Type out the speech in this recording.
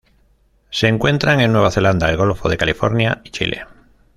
Se encuentran en Nueva Zelanda, el Golfo de California y Chile.